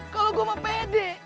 kalau gue mau pede